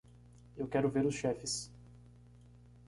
Eu quero ver os chefes.